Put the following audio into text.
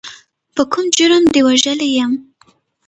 په کوم جرم دې وژلی یم.